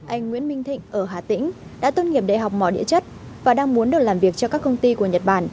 anh nguyễn minh thịnh ở hà tĩnh đã tôn nghiệp đại học mỏ địa chất và đang muốn được làm việc cho các công ty của nhật bản